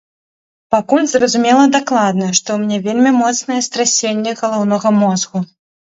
Пакуль зразумела дакладна, што ў мяне вельмі моцнае страсенне галаўнога мозгу.